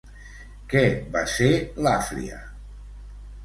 Què va ser Làfria?